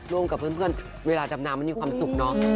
กับเพื่อนเวลาดำน้ำมันมีความสุขเนอะ